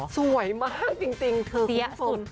สวยมากจริงคือคุณสุด